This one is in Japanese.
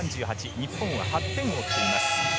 日本は８点を追っています。